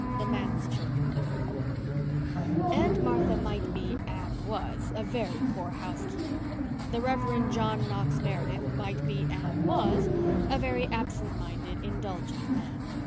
THE MANSE CHILDREN Aunt Martha might be, and was, a very poor housekeeper; the Rev. John Knox Meredith might be, and was, a very absent minded, indulgent man.